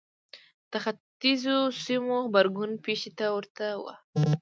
د ختیځو سیمو غبرګون پېښې ته ورته و.